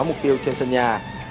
mục tiêu trên sân nhà